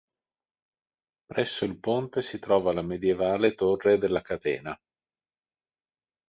Presso il ponte si trova la medievale Torre della Catena.